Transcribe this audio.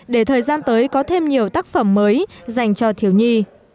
để thời gian tới có thêm nhiều tác phẩm mới dành cho thiếu nhi